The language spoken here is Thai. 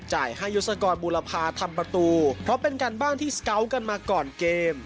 จ่ายให้ยศกรบูรพาทำประตูเพราะเป็นการบ้านที่สเกาะกันมาก่อนเกม